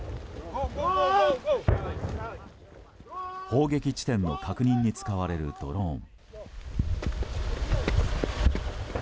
砲撃地点の確認に使われるドローン。